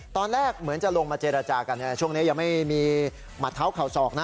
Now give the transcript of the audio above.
ตอนแรกเหมือนจะลงมาเจรจากันช่วงนี้ยังไม่มีหมัดเท้าเข่าศอกนะ